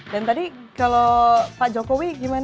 tadi kalau pak jokowi gimana